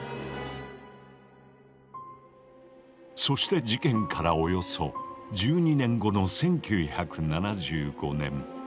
そして事件からおよそ１２年後の１９７５年。